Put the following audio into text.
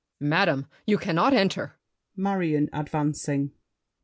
Madame, you cannot enter! MARION (advancing).